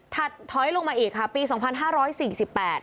ถอยลงมาอีกค่ะปีสองพันห้าร้อยสี่สิบแปด